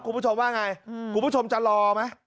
คุณผู้ชมว่าไงคุณผู้ชมจะรอไหม